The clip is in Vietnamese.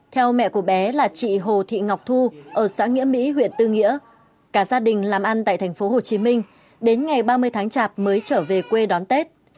theo mẹ của bé là chị hồ thị ngọc thu ở xã nghĩa mỹ huyện tư nghĩa cả gia đình làm ăn tại tp hcm đến ngày ba mươi tháng chạp mới trở về quê đón tết